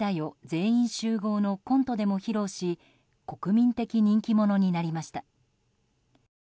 全員集合」のコントでも披露し国民的人気者になりました。